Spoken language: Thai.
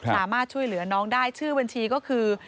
สามารถช่วยเหลือน้องได้ชื่อบัญชีก็คือ